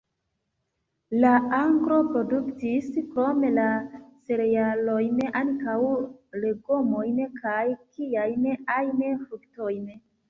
La agro produktis, krom la cerealojn, ankaŭ legomojn kaj kiajn ajn fruktojn.